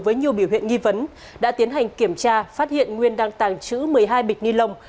với nhiều biểu hiện nghi vấn đã tiến hành kiểm tra phát hiện nguyên đang tàng trữ một mươi hai bịch ni lông